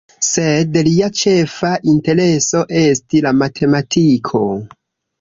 Sed lia ĉefa intereso esti la matematiko.